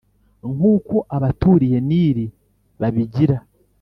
nk’uko abaturiye Nili babigira,